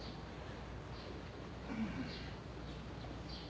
うん。